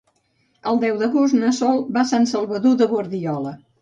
El deu d'agost na Sol va a Sant Salvador de Guardiola.